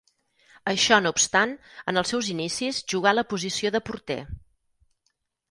Això no obstant, en els seus inicis jugà a la posició de porter.